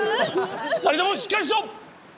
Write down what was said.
２人ともしっかりしろ！